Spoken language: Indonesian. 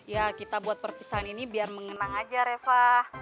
ya kita buat perpisahan ini biar mengenang aja reva